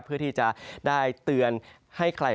เพื่อที่จะได้เตือนให้ใคร